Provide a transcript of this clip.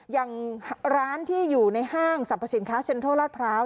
อย่างร้านที่อยู่ในห้างสรรพสินค้าเซ็นทรัลลาดพร้าว